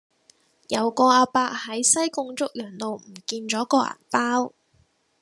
有個亞伯喺西貢竹洋路唔見左個銀包